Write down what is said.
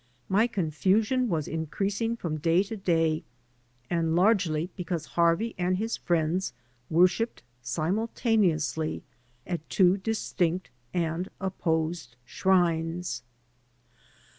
My confusion was increasing from day to day, and largely because Harvey and his friends worshiped simultaneously at two distinct and opposed shrines.